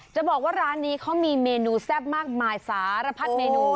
จะบอกว่าร้านนี้เขามีเมนูแซ่บมากมายสารพัดเมนู